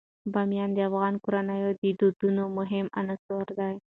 بامیان د افغان کورنیو د دودونو مهم عنصر دی.